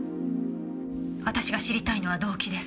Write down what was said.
私が知りたいのは動機です。